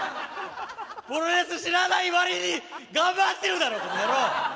プロレス知らないわりに頑張ってるだろこの野郎！